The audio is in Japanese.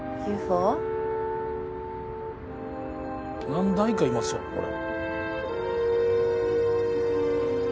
何台かいますわこれ。